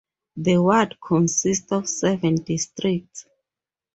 The ward consists of seven districts.